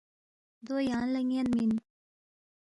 دو یانگ لہ یَنمی اِن